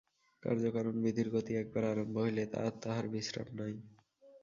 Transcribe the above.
কার্য-কারণ-বিধির গতি একবার আরম্ভ হইলে আর তাহার বিশ্রাম নাই।